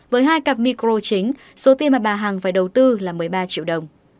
với hai cặp micro chính số tiền mà bà hằng phải đầu tư là một mươi ba triệu đồng